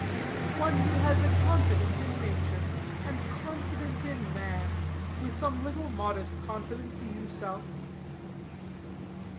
"One who has confidence in nature, and confidence in man, with some little modest confidence in himself."